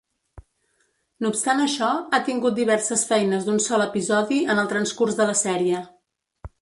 No obstant això, ha tingut diverses feines d'un sol episodi en el transcurs de la sèrie.